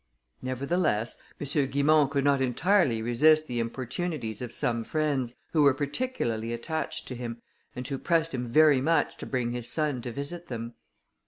Nevertheless, M. Guimont could not entirely resist the importunities of some friends, who were particularly attached to him, and who pressed him very much to bring his son to visit them.